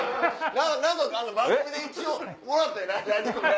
何か番組で一応もらったんやない？